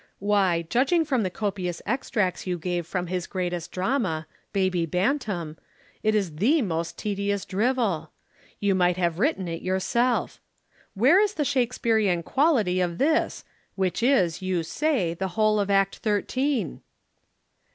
"Why, judging from the copious extracts you gave from his greatest drama, Baby Bantam, it is the most tedious drivel. You might have written it yourself. Where is the Shakespearean quality of this, which is, you say, the whole of Act Thirteen?